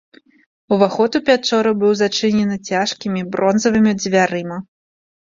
Уваход у пячору быў зачынены цяжкімі бронзавымі дзвярыма.